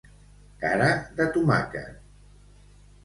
Cara de tomàquet.